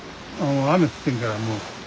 雨降ってるからもう。